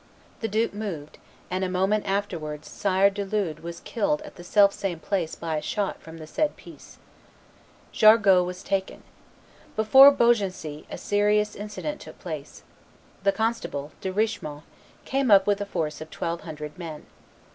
The Duke moved, and a moment afterwards Sire de Lude was killed at the self same place by a shot from the said piece. Jargeau was taken. Before Beaugency a serious incident took place. The constable, De Richemont, came up with a force of twelve hundred men.